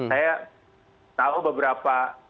saya tahu beberapa